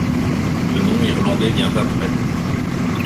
Le nom irlandais vient après.